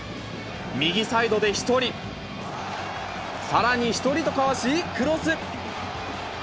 右サイドで１人、さらに１人とかわし、クロス。